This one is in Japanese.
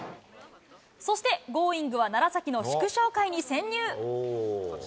そして、Ｇｏｉｎｇは楢崎の祝勝会に潜入。